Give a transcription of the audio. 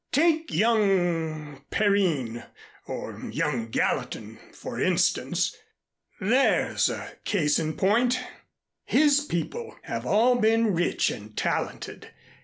Take young Perrine or young Gallatin, for instance. There's a case in point. His people have all been rich and talented.